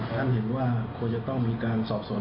ท่านเห็นว่าควรจะต้องมีการสอบส่วน